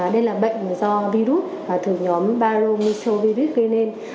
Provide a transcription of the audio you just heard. đây là bệnh do virus và thử nhóm baromysoviris gây nên